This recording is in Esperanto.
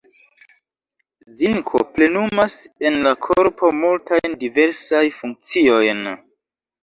Zinko plenumas en la korpo multajn diversaj funkciojn.